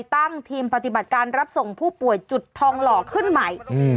ตั้งทีมปฏิบัติการรับส่งผู้ป่วยจุดทองหล่อขึ้นใหม่